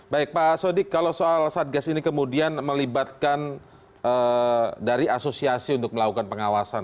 baik pak sodik kalau soal satgas ini kemudian melibatkan dari asosiasi untuk melakukan pengawasan